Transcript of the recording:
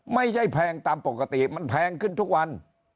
แพงตามปกติมันแพงขึ้นทุกวัน